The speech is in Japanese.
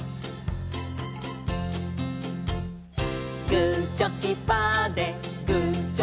「グーチョキパーでグーチョキパーで」